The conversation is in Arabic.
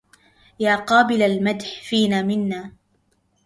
يا قابل المدح فيه منا